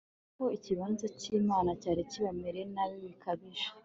kuko ikiganza cy'imana cyari kibamereye nabi bikabije